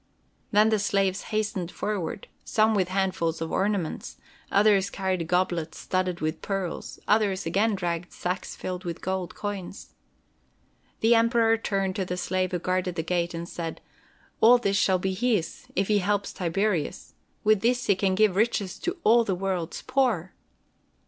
Then the slaves hastened forward—some with handfuls of ornaments, others carried goblets studded with pearls, other again dragged sacks filled with gold coin. The Emperor turned to the slave who guarded the gate, and said: "All this shall be his, if he helps Tiberius. With this he can give riches to all the world's poor."